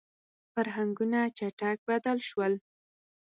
• فرهنګونه چټک بدل شول.